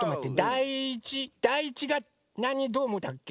第１第１がなに「どーも」だっけ？